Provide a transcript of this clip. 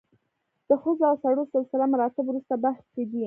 د ښځو او سړو سلسله مراتب وروسته بحث کې دي.